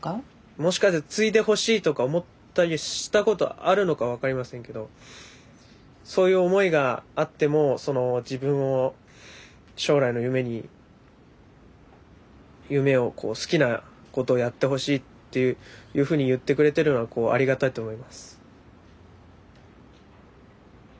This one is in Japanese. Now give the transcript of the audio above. もしかして継いでほしいとか思ったりしたことあるのか分かりませんけどそういう思いがあっても自分を将来の夢を好きなことをやってほしいっていうふうに言ってくれてるのはありがたいと思います。